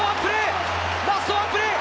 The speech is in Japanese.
ラストワンプレー！